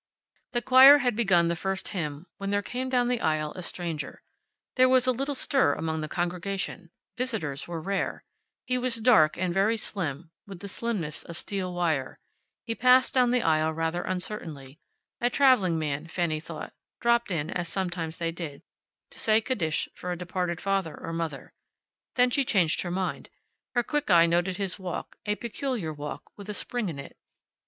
The choir had begun the first hymn when there came down the aisle a stranger. There was a little stir among the congregation. Visitors were rare. He was dark and very slim with the slimness of steel wire. He passed down the aisle rather uncertainly. A traveling man, Fanny thought, dropped in, as sometimes they did, to say Kaddish for a departed father or mother. Then she changed her mind. Her quick eye noted his walk; a peculiar walk, with a spring in it.